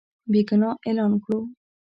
بېګناه اعلان کړو.